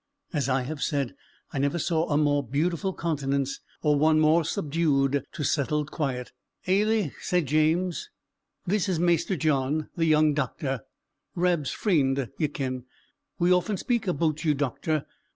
As I have said, I never saw a more beautiful countenance or one more subdued to settled quiet. "Ailie," said James, "this is Maister John, the young doctor; Rab's freend, ye ken. We often speak aboot you, doctor."